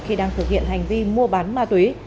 khi đang thực hiện hành vi mua bán ma túy